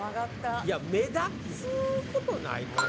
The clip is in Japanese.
いや目立つことないかな？